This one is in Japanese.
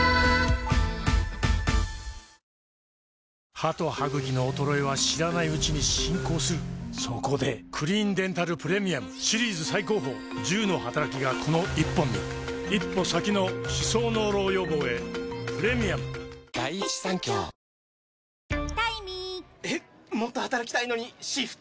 歯と歯ぐきの衰えは知らないうちに進行するそこで「クリーンデンタルプレミアム」シリーズ最高峰１０のはたらきがこの１本に一歩先の歯槽膿漏予防へプレミアム外交にも影響が出ています。